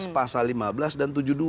pasal lima belas dan tujuh puluh dua